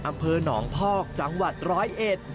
อำเภอหนองพอกจังหวัดร้อยเอ็ด